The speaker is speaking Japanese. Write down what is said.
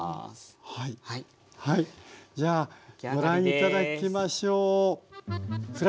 じゃあご覧頂きましょう。